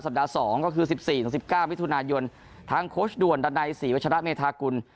สัปดาห์๒ก็คือ๑๔๑๙วิทยุธุนายนทั้งโคชด่วนดันไนสี่วัชระเมธากุล